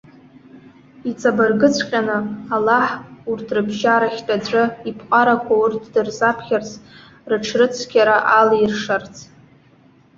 Иҵабыргыҵәҟьаны, Аллаҳ урҭ рыбжьарахьтә аӡәы, иԥҟарақәа урҭ дырзаԥхьарц, рыҽрыцқьара алиршарц.